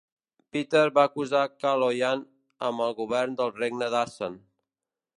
Peter va acusar Kaloyan amb el govern del regne d'Assen.